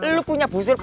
lu punya busur apa